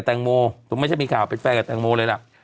แตงโมไม่ใช่มีข่าวเป็นแฟนกับแตงโมเลยล่ะ